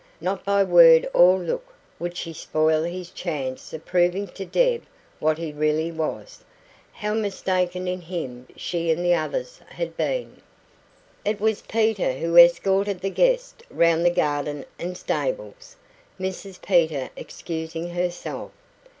Not by word or look would she spoil his chance of proving to Deb what he really was how mistaken in him she and the others had been. It was Peter who escorted the guest round the garden and stables, Mrs Peter excusing herself.